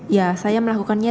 ya saya melakukannya